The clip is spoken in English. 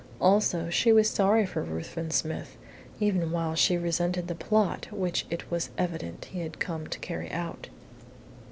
Also she was sorry for Ruthven Smith, even while she resented the plot which it was evident he had come to carry out.